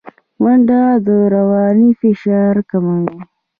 منډه د رواني فشار کموي